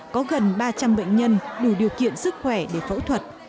có gần ba trăm linh bệnh nhân đủ điều kiện sức khỏe để phẫu thuật